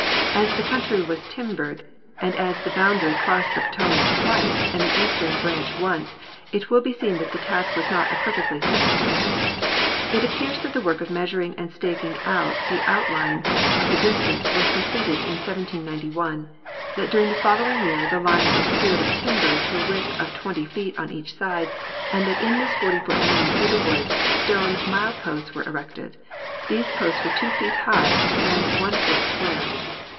As the country was timbered, and as the boundary crossed the Potomac twice and the Eastern branch once, it will be seen that the task was not a perfectly simple one. It appears that the work of measuring and staking out the outline of the District was com pleted in 1791; that during the following year the line was cleared of timber to the width of 20 feet on each side; and that in this 40 foot lane through the woods stone mileposts were erected. These posts are two feet high and one foot square.